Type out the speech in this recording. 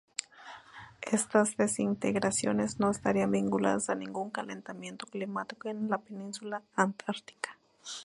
Estas desintegraciones no estarían vinculadas a ningún calentamiento climático en la península Antártica.